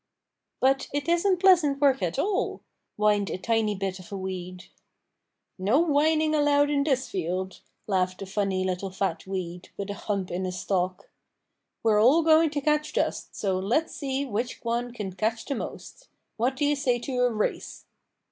"But it isn't pleasant work at all," whined a tiny bit of a weed. "No whining allowed in this field," laughed a funny little fat weed, with a hump in his stalk. "We're all going to catch dust, so let's see which one can catch the most. What do you say to a race?"